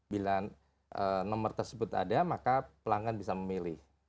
bila nomor tersebut ada maka pelanggan bisa memilih